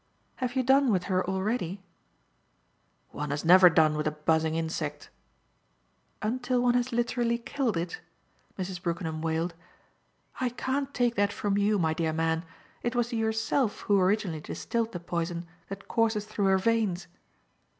"Have you done with her already?" "One has never done with a buzzing insect !" "Until one has literally killed it?" Mrs. Brookenham wailed. "I can't take that from you, my dear man: it was yourself who originally distilled the poison that courses through her veins."